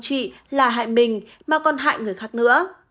chị là hại mình mà còn hại người khác nữa